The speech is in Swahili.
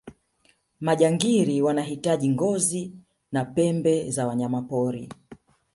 majangili wanahitaji ngozi na pembe za wanyamapori